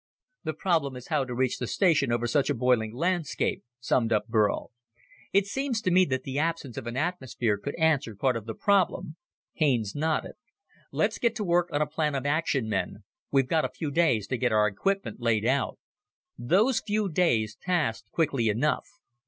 "The problem is how to reach the station over such a boiling landscape," summed up Burl. "It seems to me that the absence of an atmosphere could answer part of the problem." Haines nodded. "Let's get to work on a plan of action, men. We've got a few days to get our equipment laid out." Those few days passed quickly enough.